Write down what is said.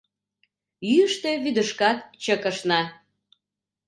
Йӱштӧ вӱдышкат чыкышна